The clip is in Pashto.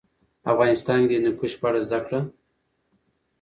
افغانستان کې د هندوکش په اړه زده کړه.